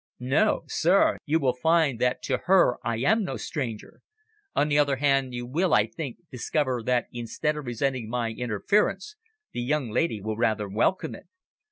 No, sir, you will find that to her I am no stranger. On the other hand you will, I think, discover that instead of resenting my interference, the young lady will rather welcome it.